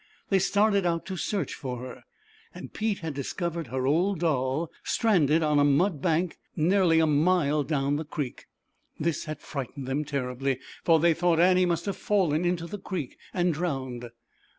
They started out to search for her, and Pete had discovered her old doll stranded on a mud bank nearly a j ZAUBERLINDA, THE WISE WITCH. 249 mile down the creek. This had fright ened them terribly, for they thought Annie must have fallen into the creek and drowned.